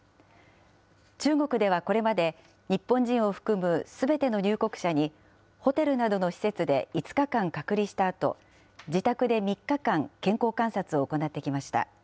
中国ではこれまで、日本人を含むすべての入国者に、ホテルなどの施設で５日間隔離したあと、自宅で３日間、健康観察を行ってきました。